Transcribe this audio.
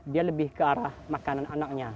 dia lebih ke arah makanan anaknya